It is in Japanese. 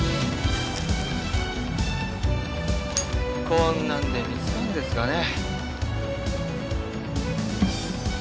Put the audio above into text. こんなんで見つかるんですかね。